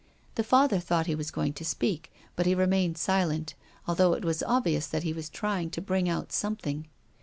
The Father thought he was going to speak, but he remained silent, although it was obvious that he was trying to bring out something.